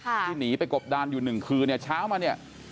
ที่หนีไปกบดานอยู่๑คืลเนี่ยเช้ามาเนี่ยมาซื้อของอีกเลย